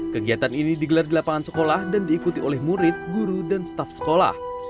kegiatan ini digelar di lapangan sekolah dan diikuti oleh murid guru dan staf sekolah